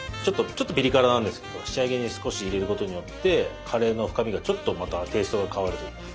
ちょっとピリ辛なんですけど仕上げに少し入れることによってカレーの深みがちょっとまたテイストが変わるというか。